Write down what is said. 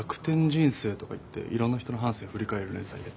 人生とかいっていろんな人の半生を振り返る連載で。